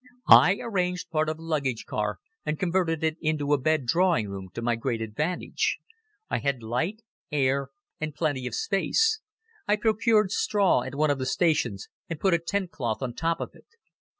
I arranged part of a luggage car and converted it into a bed drawing room, to my great advantage. I had light, air, and plenty of space. I procured straw at one of the stations and put a tent cloth on top of it.